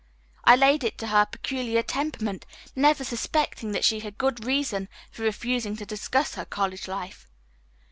I laid it to her peculiar temperament, never suspecting that she had good reason for refusing to discuss her college life.